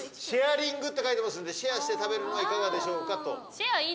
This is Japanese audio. シェアリングって書いてますんでシェアして食べるのはいかがでしょうかと。